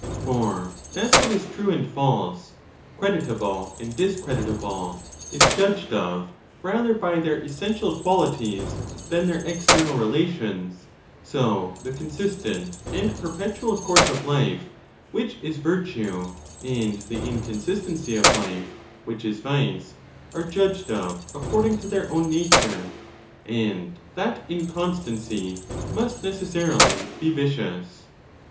XVIT. For as what is true and false, creditable and dis. creditable, is judged of rather by their essential qualities than their external relations; so the consistent and perpetual. course of life, which is virtue, and the inconsistency of life, which is vice, are judged of according to their own nature, —and that inconstancy must necessarily be vicious.